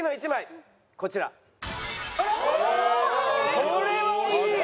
これはいいよ！